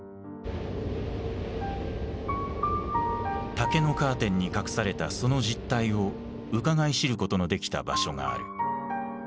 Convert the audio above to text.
竹のカーテンに隠されたその実態をうかがい知ることのできた場所がある。